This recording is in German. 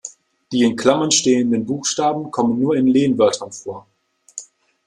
Die in Klammern stehenden Buchstaben kommen nur in Lehnwörtern vor.